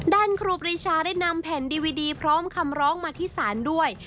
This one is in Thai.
ครูปรีชาได้นำแผ่นดีวิดีพร้อมคำร้องมาที่ศาลด้วย